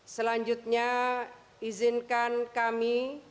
selanjutnya izinkan kami